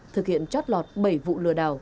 thực hiện trót lọt bảy vụ lừa đảo